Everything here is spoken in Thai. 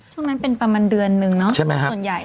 ช่วงนั้นเป็นประมาณเดือนนึงเนอะส่วนใหญ่